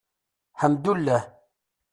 Ḥemddulah.